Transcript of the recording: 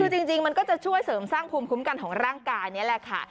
คือจริงมันก็จะช่วยเสริมสร้างภูมิคุ้มกันของร่างกายนี่แหละค่ะ